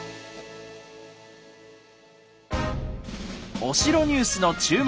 お城ニュースの注目